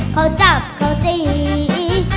เขาจับเขาจี